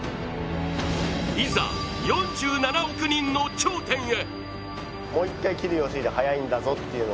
いざ、４７億人の頂点へ。